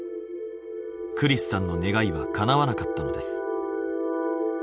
クリスさんの願いはかなわなかったのです。